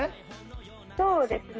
そうですね。